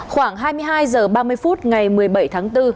khoảng hai mươi hai h ba mươi phút ngày một mươi bảy tháng bốn